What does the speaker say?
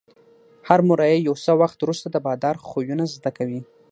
هر مریی یو څه وخت وروسته د بادار خویونه زده کوي.